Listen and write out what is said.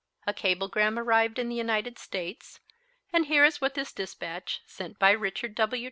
A cablegram arrived in the United States, and here is what this dispatch, sent by Richard W.